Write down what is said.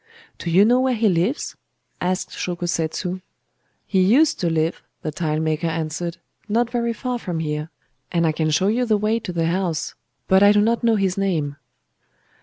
'Do you know where he lives?' asked Shōko Setsu. 'He used to live,' the tilemaker answered, 'not very far from here; and I can show you the way to the house. But I do not know his name.